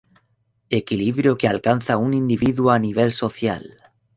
Equilibrio que alcanza un individuo a nivel social.